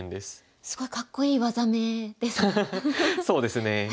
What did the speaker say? すごいかっこいい技名ですね。